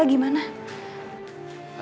hani berubahnya apa